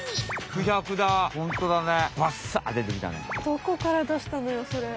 どこからだしたのよそれ？